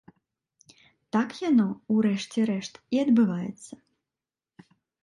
Так яно, у рэшце рэшт, і адбываецца.